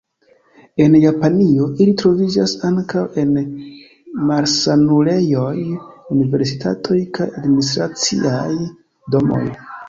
En Japanio, ili troviĝas ankaŭ en malsanulejoj, universitatoj kaj administraciaj domoj.